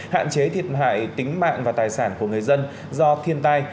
hạn chế thiệt hại tính mạng và tài sản của người dân do thiên tai